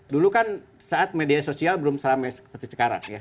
dulu kan saat media sosial belum seramai seperti sekarang ya